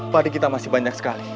padi kita masih banyak sekali